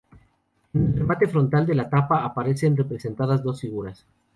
En el remate frontal de la tapa aparecen representadas dos figuras.